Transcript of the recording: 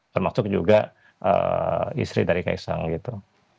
termasuk juga istilah dari kaisang itu